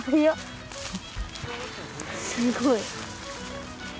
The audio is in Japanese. すごい！